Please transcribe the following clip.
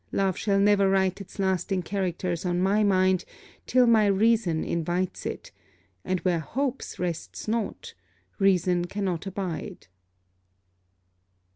Love shall never write its lasting characters on my mind, till my reason invites it: and where hopes rests not, reason cannot abide.